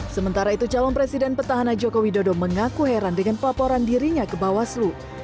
sementara itu calon presiden petahana joko widodo mengaku heran dengan pelaporan dirinya ke bawaslu